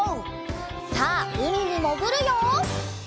さあうみにもぐるよ！